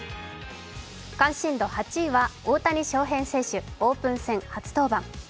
関心度８位は大谷翔平選手オープン戦初登板。